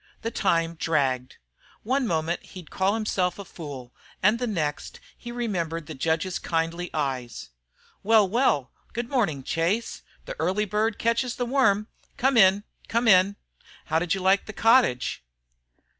The time dragged. One moment he would call himself a fool and the next he remembered the judge's kindly eyes. "Well, well, good morning, Chase. The early bird catches the worm. Come in, come in. And how'd you like the cottage?"